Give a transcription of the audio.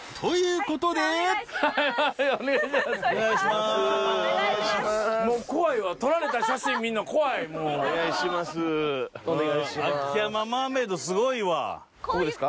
ここですか？